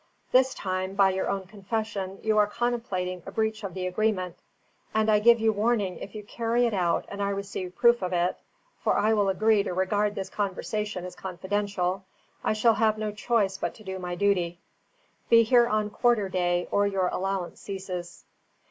This time, by your own confession, you are contemplating a breach of the agreement; and I give you warning if you carry it out and I receive proof of it (for I will agree to regard this conversation as confidential) I shall have no choice but to do my duty. Be here on quarter day, or your allowance ceases."